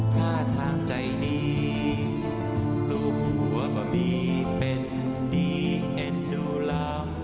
ถ้าทางใจดีรู้ว่ามีเป็นที่เอ็นดูแล้ว